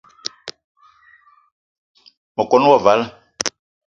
Me kon wo vala